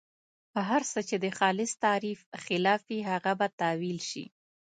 هر څه چې د خالص تعریف خلاف وي هغه به تاویل شي.